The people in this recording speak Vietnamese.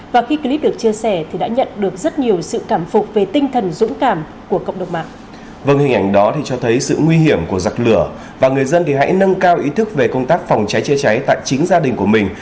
vâng hình ảnh đó cho thấy sự nguy hiểm của giặc lửa và người dân hãy nâng cao ý thức về công tác phòng cháy chữa cháy tại chính gia đình của mình